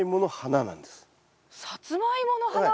サツマイモの花？